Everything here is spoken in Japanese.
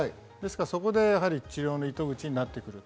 そこで治療の糸口になってくる。